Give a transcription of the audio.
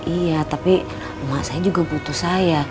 iya tapi emak saya juga butuh saya